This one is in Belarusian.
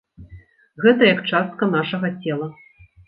Гэта як частка нашага цела.